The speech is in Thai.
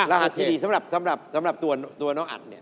รหัสที่ดีสำหรับตัวน้องอัฐ